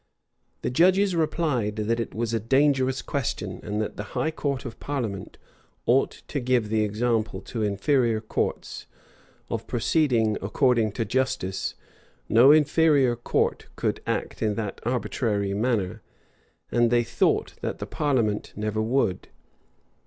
[*] The judges replied, that it was a dangerous question; and that the high court of parliament ought to give the example to inferior courts, of proceeding according to justice; no inferior court could act in that arbitrary manner, and they thought that the parliament never would.